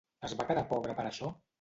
Es va quedar pobre per això?